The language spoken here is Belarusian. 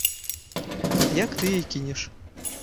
Як ты яе кінеш!